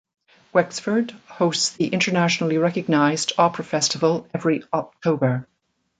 Wexford hosts the internationally recognised Opera Festival every October.